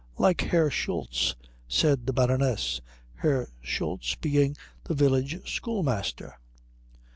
"Like Herr Schultz," said the Baroness Herr Schultz being the village schoolmaster.